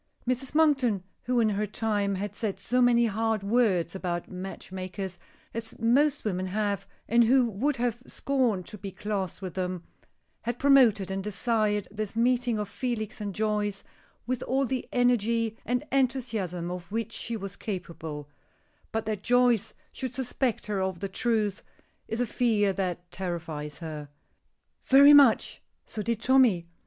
Mrs. Monkton, who, in her time, had said so many hard words about match makers, as most women have, and who would have scorned to be classed with them, had promoted and desired this meeting of Felix and Joyce with all the energy and enthusiasm of which she was capable But that Joyce should suspect her of the truth is a fear that terrifies her. "Very much. So did Tommy.